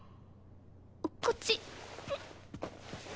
こっち。